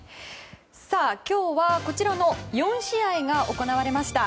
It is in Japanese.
今日はこちらの４試合が行われました。